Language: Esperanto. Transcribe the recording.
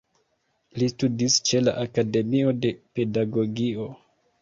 Li studis ĉe la Akademio de Pedagogio.